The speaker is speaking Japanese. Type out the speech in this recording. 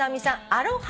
アロハ」